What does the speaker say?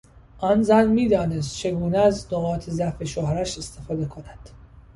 آن زن میدانست چگونه از نقاط ضعف شوهرش استفاده کند.